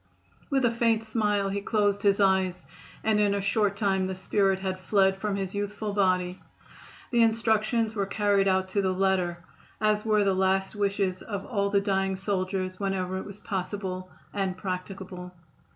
With a faint smile he closed his eyes and in a short time the spirit had fled from his youthful body. The instructions were carried out to the letter, as were the last wishes of all the dying soldiers whenever it was possible and practicable.